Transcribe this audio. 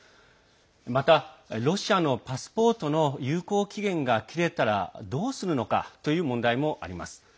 また、ロシアのパスポートの有効期限が切れたらどうするのかという問題もあります。